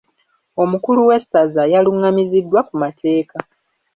Omukulu w'essaza yalungamiziddwa ku mateeka.